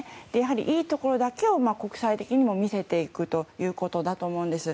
いいところだけを国際的にも見せていくということだと思います。